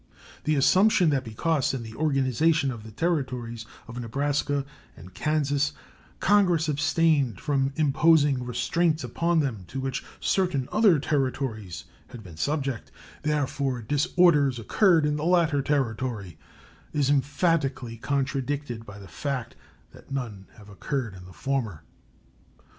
The assumption that because in the organization of the Territories of Nebraska and Kansas Congress abstained from imposing restraints upon them to which certain other Territories had been subject, therefore disorders occurred in the latter Territory, is emphatically contradicted by the fact that none have occurred in the former.